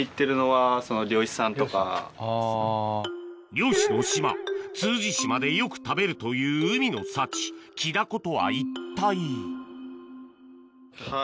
漁師の島通詞島でよく食べるという海の幸キダコとは一体？